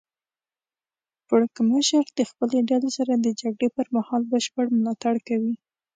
پړکمشر د خپلې ډلې سره د جګړې پر مهال بشپړ ملاتړ کوي.